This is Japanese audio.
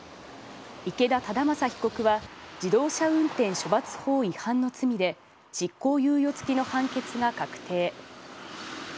池田忠正被告は自動車運転処罰法違反の罪で執行猶予付きの判決が確定。